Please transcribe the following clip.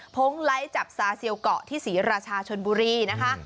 พงไลค์จับซาเซียลเกาะที่ศรีราชาชนบุรีนะคะ